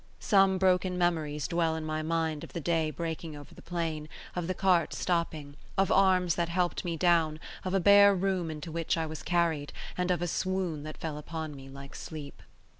Some broken memories dwell in my mind of the day breaking over the plain, of the cart stopping, of arms that helped me down, of a bare room into which I was carried, and of a swoon that fell upon me like sleep.